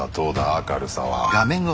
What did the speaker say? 明るさは。